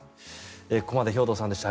ここまで兵頭さんでした。